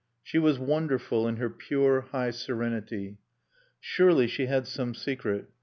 She was wonderful in her pure, high serenity. Surely she had some secret.